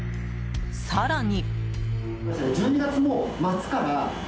更に。